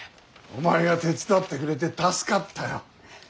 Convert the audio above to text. お前が手伝ってくれて助かったよ。